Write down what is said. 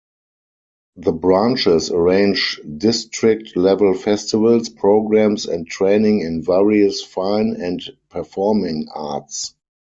The branches arrange district-level festivals, programs, and training in various fine and performing arts.